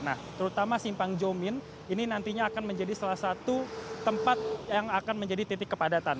nah terutama simpang jomin ini nantinya akan menjadi salah satu tempat yang akan menjadi titik kepadatan